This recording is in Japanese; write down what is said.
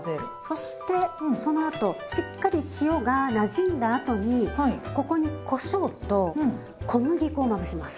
そしてそのあとしっかり塩がなじんだあとにここにこしょうと小麦粉をまぶします。